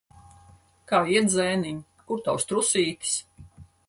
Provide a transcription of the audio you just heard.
Kā iet, zēniņ? Kur tavs trusītis?